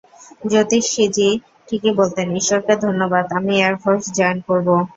জ্যোতিষীজি ঠিকই বলতেন -ঈশ্বরকে ধন্যবাদ - আমি এয়ারফোর্স জয়েন করব।